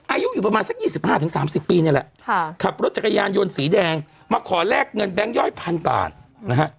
อายุอยู่ประมาณสัก๒๕๓๐ปีนี่แหละขับรถจักรยานยนต์สีแดงมาขอแลกเงินแบงค์ย่อยพันบาทนะฮะ